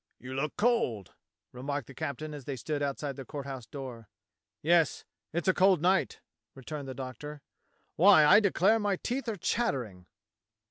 "You look cold," remarked the captain as they stood outside the Court House door. "Yes. It's a cold night," returned the Doctor. "WTiy, I declare my teeth are chattering."